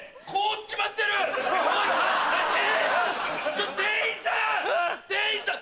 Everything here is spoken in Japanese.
ちょっと店員さん！